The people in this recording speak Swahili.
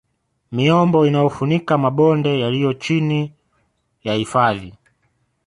Miombo inayofunika mabonde yaliyo chini ya hifadhi